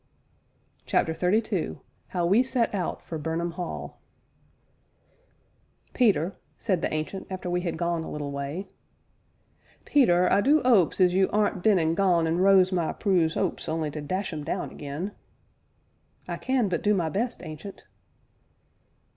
CHAPTER XXXII HOW WE SET OUT FOR BURNHAM HALL "Peter," said the Ancient, after we had gone a little way, "Peter, I do 'opes as you aren't been an' gone an' rose my Prue's 'opes only to dash 'em down again." "I can but do my best, Ancient."